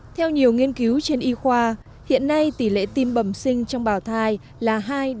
theo nhiều nghiên cứu trên y khoa hiện nay tỷ lệ tim bẩm sinh trong bảo thai là hai ba mươi